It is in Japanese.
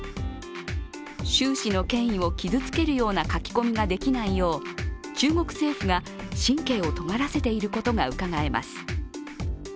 習氏の権威を傷つけるような書き込みができないよう中国政府が神経をとがらせていることがうかがえます。